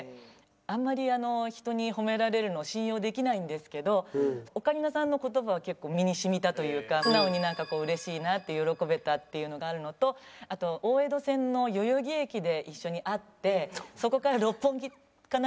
あんまり人に褒められるの信用できないんですけどオカリナさんの言葉は結構身に染みたというか素直になんかこう嬉しいなって喜べたっていうのがあるのとあと大江戸線の代々木駅で一緒に会ってそこから六本木かな？